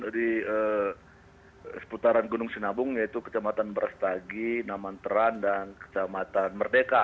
di seputaran gunung sinabung yaitu kecamatan berestagi namanteran dan kecamatan merdeka